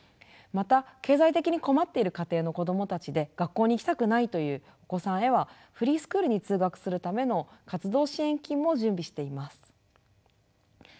また経済的に困っている家庭の子どもたちで学校に行きたくないというお子さんへはフリースクールに通学するための活動支援金も準備しています。